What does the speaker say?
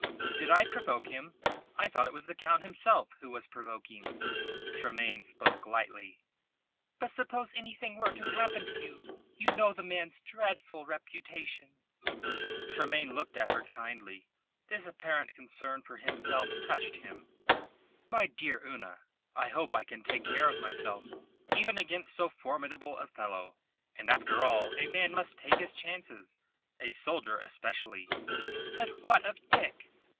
"Did I provoke him? I thought it was the Count himself who was provoking." Tremayne spoke lightly. "But suppose anything were to happen to you? You know the man's dreadful reputation." Tremayne looked at her kindly. This apparent concern for himself touched him. "My dear Una, I hope I can take care of myself, even against so formidable a fellow; and after all a man must take his chances a soldier especially." "But what of Dick?"